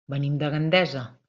Venim de Gandesa.